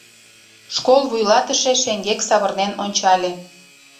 Школ вуйлатыше шеҥгек савырнен ончале.